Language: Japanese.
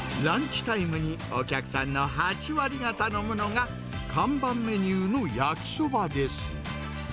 一番はやっぱあんかけ焼きそランチタイムにお客さんの８割が頼むのが、看板メニューの焼きそばです。